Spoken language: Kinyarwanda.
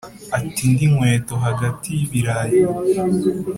ata indi nkweto hagati y'ibirayi.